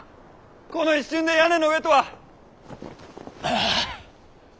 この一瞬で屋根の上とは。